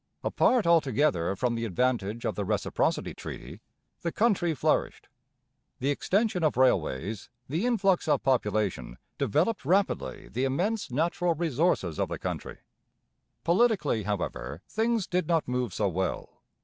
Apart altogether from the advantage of the Reciprocity Treaty, the country flourished. The extension of railways, the influx of population, developed rapidly the immense natural resources of the country. Politically, however, things did not move so well.